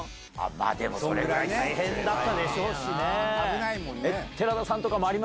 でもそれぐらい大変だったでしょうしね。